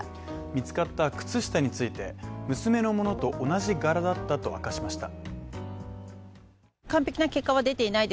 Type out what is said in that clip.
見つかった靴下について娘のものと同じ柄だったと明かしました。